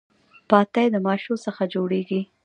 پاتی د ماشو څخه جوړیږي.